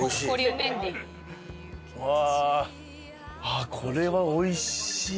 あっこれはおいしい。